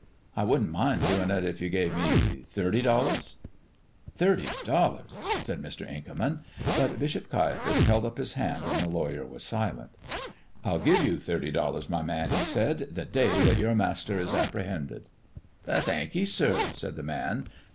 I wouldn't mind doing it if you gave me thirty dollars." "Thirty dollars!" said Mr. Inkerman; but Bishop Caiaphas held up his hand and the lawyer was silent. "I'll give you thirty dollars, my man," he said, "the day that your Master is apprehended." "Thankee, sir," said the man.